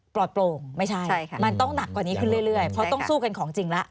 โปร่งไม่ใช่มันต้องหนักกว่านี้ขึ้นเรื่อยเพราะต้องสู้กันของจริงแล้ว